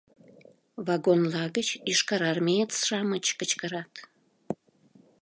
Вагонла гыч йошкарармеец-шамыч кычкырат.